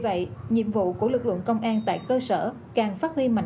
gặp nhiều khó khăn dẫn đến nhiều bệnh viện